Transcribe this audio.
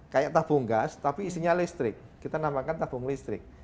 kayak tabung gas tapi isinya listrik kita namakan tabung listrik